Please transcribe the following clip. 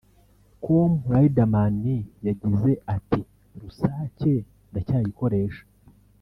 com Riderman yagize ati” Rusake ndacyarikoresha